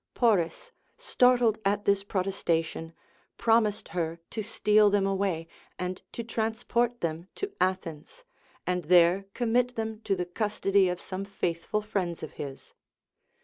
Poris, startled at this protestation, promised her to steal them away, and to transport them to Athens, and there commit them to the custody of some faithful friends of his.